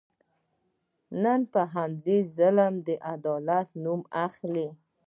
نن همدا ظلم د عدالت نوم اخلي.